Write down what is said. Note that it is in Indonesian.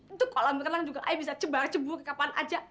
untuk kolam renang juga ibu bisa cebar cebur kapan aja